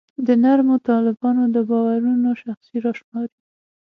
د نرمو طالبانو د باورونو شاخصې راشماري.